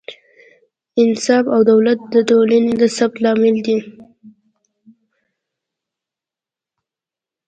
انصاف او عدالت د ټولنې د ثبات لامل دی.